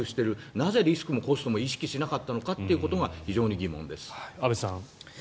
なぜリスクもコストも意識しなかったのか非常に疑問です。